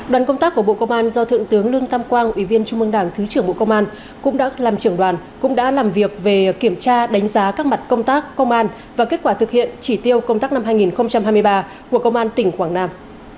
đoàn công tác của bộ công an do thượng tướng lương tam quang ủy viên trung mương đảng thứ trưởng bộ công an cũng đã làm trưởng đoàn cũng đã làm việc về kiểm tra đánh giá các mặt công tác công an và kết quả thực hiện chỉ tiêu công tác năm hai nghìn hai mươi ba của công an tỉnh quảng nam